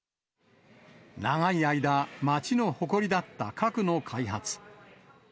長い間、町の誇りだった核の開発。